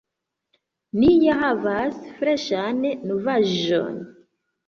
Ni ja havas freŝan novaĵon!